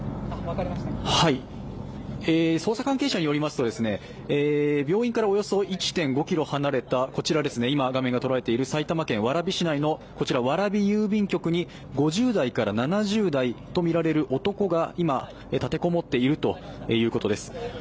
捜査関係者によりますと病院からおよそ１．５ｋｍ離れた今、画面が捉えている埼玉県蕨市内の蕨郵便局に５０代７０代とみられる男が今、立て籠もっているということです。